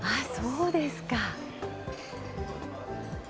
そうですか。